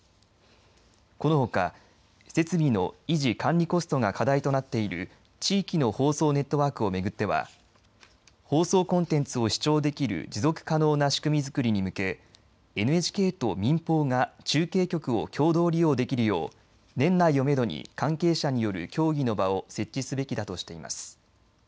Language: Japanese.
このほか設備の維持・管理コストが課題となっている地域の放送ネットワークを巡っては放送コンテンツを視聴できる持続可能な仕組みづくりに向けＮＨＫと民放が中継局を共同利用できるよう年内をめどに関係者による協議の場を設置すべきだとしています。